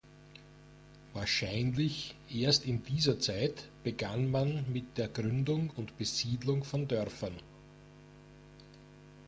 Wahrscheinlich erst in dieser Zeit begann man mit der Gründung und Besiedlung von Dörfern.